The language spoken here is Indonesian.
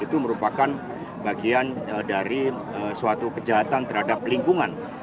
itu merupakan bagian dari suatu kejahatan terhadap lingkungan